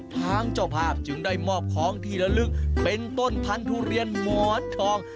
ทางเจ้าภาพจึงได้มอบของที่ละลึกเป็นต้นพันธุเรียนหมอนทอง